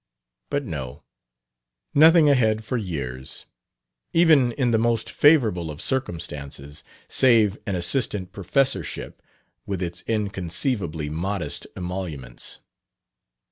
But no; nothing ahead for years, even in the most favorable of circumstances, save an assistant professorship, with its inconceivably modest emoluments....